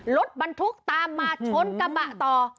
รถบรรทุกตามมาชนกระบะต่อ